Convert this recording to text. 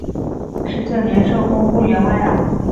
十九年授工部员外郎。